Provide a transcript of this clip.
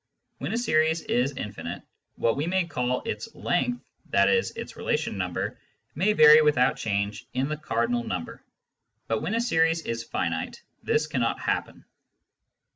When a series is infinite, what we may call its " length," i.e. its relation number, may vary without change in the cardinal number ; but when a series is finite, this cannot happen.